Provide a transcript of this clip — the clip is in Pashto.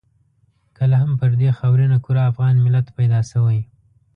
کله هم پر دې خاورینه کره افغان ملت پیدا شوی.